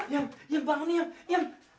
yam yam bangun yam